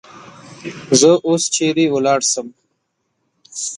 زه اوس چیری ولاړسم؟